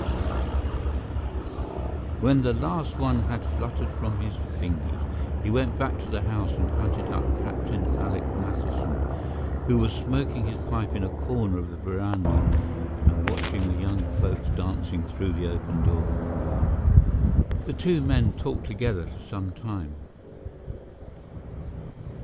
When the last one had fluttered from his fingers, he went back to the house and hunted up Captain Alec Matheson, who was smoking his pipe in a corner of the verandah and watching the young folks dancing through the open door. The two men talked together for some time.